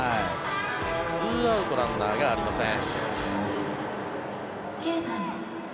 ２アウトランナーがありません。